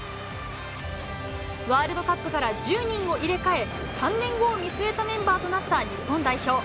ワールドカップから１０人を入れ替え、３年後を見据えたメンバーとなった日本代表。